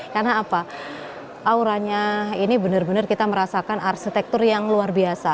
karena apa auranya ini benar benar kita merasakan arsitektur yang luar biasa